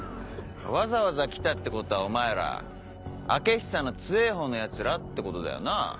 わざわざ来たってことはお前ら開久の強えぇほうのヤツらってことだよな。